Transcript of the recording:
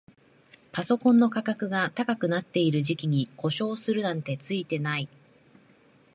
パソコンの価格が高くなってる時期に故障するなんてツイてない